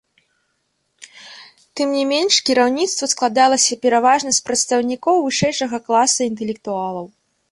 Тым не менш, кіраўніцтва складалася пераважна з прадстаўнікоў вышэйшага класа інтэлектуалаў.